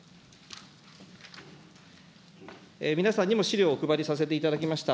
皆さんにも資料をお配りさせていただきました。